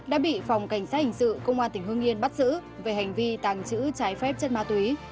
đã bị phòng cảnh sát hình sự công an tỉnh hương yên bắt giữ về hành vi tàng trữ trái phép chất ma túy